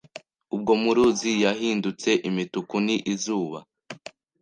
ubwo muruzi yahindutse imituku ni izuba.